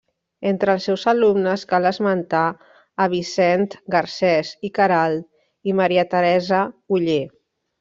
Entre els seus alumnes cal esmentar a Vicent Garcés i Queralt i Maria Teresa Oller.